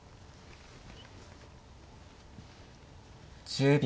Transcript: １０秒。